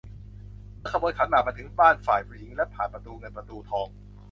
เมื่อขบวนขันหมากมาถึงบ้านฝ่ายหญิงและผ่านประตูเงินประตูทอง